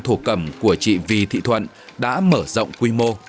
thổ cẩm của chị vi thị thuận đã mở rộng quy mô